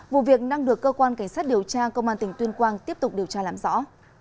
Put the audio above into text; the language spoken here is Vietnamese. vụ việc đang được cơ quan cảnh sát điều tra công an tỉnh tuyên quang tiếp tục điều tra làm rõ